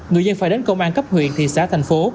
người dân phải đến công an cấp huyện thị xã thành phố